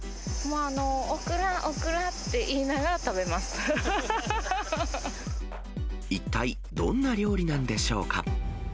オクラ、オクラって言いなが一体、どんな料理なんでしょうか。